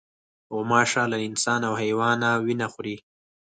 غوماشه له انسان او حیوانه وینه خوري.